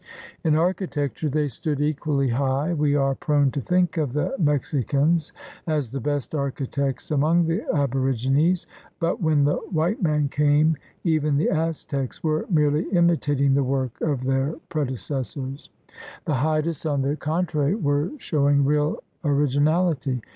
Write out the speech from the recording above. In architecture they stood equally 122 THE RED MAN'S CONTINENT high. We are prone to think of the Mexicans as the best architects among the aborigines, but when the white man came even the Aztecs were merely imitating the work of their predeces sors. The Haidas, on the contrary, were showing real originality.